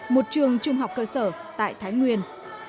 một trường trung học cơ sở tại thái nguyên